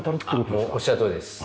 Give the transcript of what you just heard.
もうおっしゃるとおりです。